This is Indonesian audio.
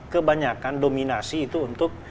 kebanyakan dominasi itu untuk